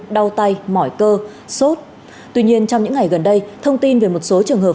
đau tay mỏi cơ sốt tuy nhiên trong những ngày gần đây thông tin về một số trường hợp